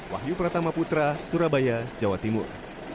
wahyu pratama putra surabaya jawa timur